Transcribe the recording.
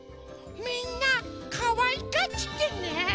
みんなかわいがってね！